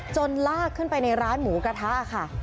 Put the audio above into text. ลากขึ้นไปในร้านหมูกระทะค่ะ